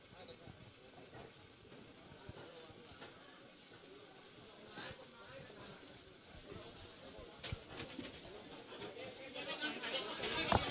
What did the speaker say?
ภักษาให้ภาระพอไปได้มั้ยพี่